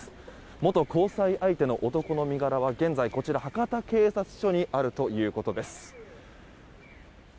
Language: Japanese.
元交際相手の男の身柄は現在、博多警察署にあるということです。